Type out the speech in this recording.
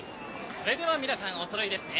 それでは皆さんおそろいですね？